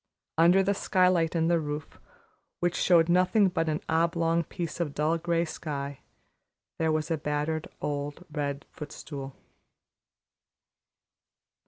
Under the skylight in the roof, which showed nothing but an oblong piece of dull gray sky, there was a battered old red footstool.